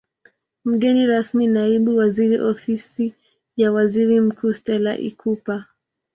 Mgeni rasmi Naibu Waziri Ofisi ya Waziri Mkuu Stella Ikupa